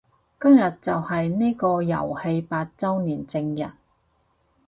今日就係呢個遊戲八周年正日